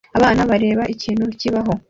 Abana bareba ikintu kibaho